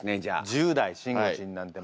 １０代しんごちんなんてまだ。